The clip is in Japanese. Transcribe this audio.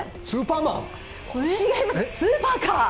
違います、スーパーカー。